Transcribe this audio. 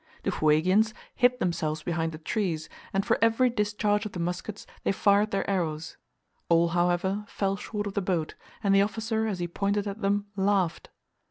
The Fuegians hid themselves behind the trees, and for every discharge of the muskets they fired their arrows; all, however, fell short of the boat, and the officer as he pointed at them laughed.